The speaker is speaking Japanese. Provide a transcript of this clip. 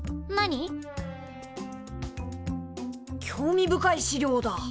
興味深い資料だ。